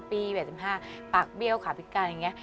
๘๕ปากเบี้ยวขาพิการอย่างนี้